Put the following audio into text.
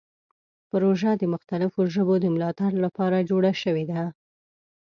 پروژه د مختلفو ژبو د ملاتړ لپاره جوړه شوې ده.